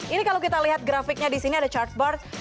ini kalau kita lihat grafiknya di sini ada chartboard